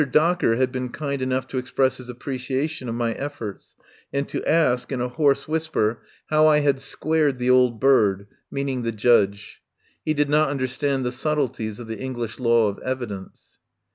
Docker had been kind enough to express his apprecia tion of my efforts, and to ask, in a hoarse whis per, how I had "squared the old bird," mean ing the Judge. He did not understand the subtleties of the English law of evidence.